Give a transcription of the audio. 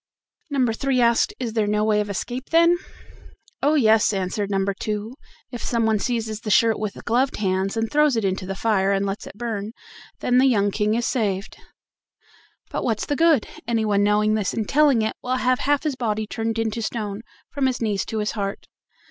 Number three asked: "Is there no way of escape, then?" "Oh! yes," answered number two: "If someone seizes the shirt with gloved hands and throws it into the fire, and lets it burn, then the young King is saved. But what's the good? Anyone knowing this and telling it will have half his body turned into stone, from his knees to his heart."